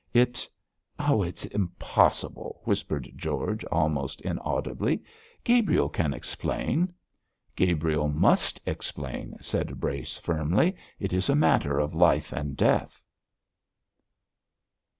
'It it is impossible,' whispered George, almost inaudibly, 'Gabriel can explain.' 'Gabriel must explain,' said Brace, firmly; 'it is a matter of life and death!'